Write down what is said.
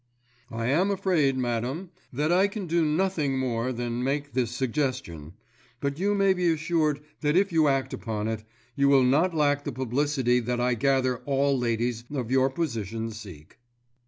"I am afraid, madam, that I can do nothing more than make this suggestion; but you may be assured that if you act upon it, you will not lack the publicity that I gather all ladies of your position seek."